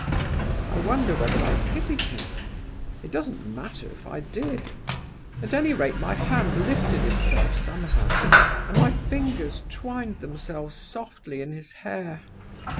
"I wonder whether I pitied him? It doesn't matter if I did. At any rate, my hand lifted itself somehow, and my fingers twined themselves softly in his hair.